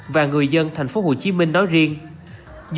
và người dân thành phố hồ chí minh nói riêng